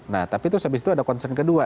nah tapi terus habis itu ada concern kedua